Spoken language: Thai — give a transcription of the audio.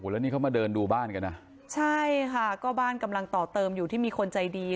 แล้วนี่เขามาเดินดูบ้านกันนะใช่ค่ะก็บ้านกำลังต่อเติมอยู่ที่มีคนใจดี